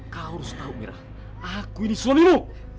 kau harus tahu mira aku ini sulamimu